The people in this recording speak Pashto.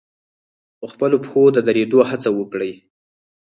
په خپلو پښو د درېدو هڅه وکړي.